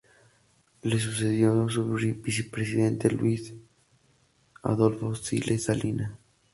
Le sucedió su vicepresidente Luis Adolfo Siles Salinas.